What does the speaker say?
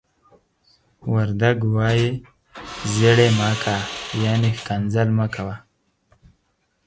وردگ وايي: "زيَړِ مَ کَ." يعنې ښکنځل مه کوه.